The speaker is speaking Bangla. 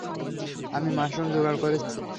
আমি মাশরুম যোগাড় করেছি।